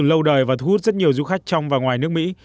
nó từ lâu đời và thu hút rất nhiều du khách trong và ngoài nước mỹ